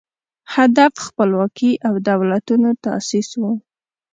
هدف خپلواکي او دولتونو تاسیس و